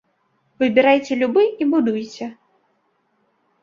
Выбірайце любы і будуйце.